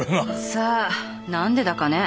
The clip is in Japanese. さあ何でだかね。